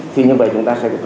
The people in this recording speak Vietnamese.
thì như vậy chúng ta sẽ có